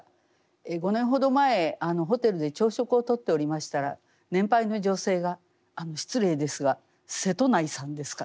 ５年ほど前ホテルで朝食をとっておりましたら年配の女性が「失礼ですが瀬戸内さんですか？」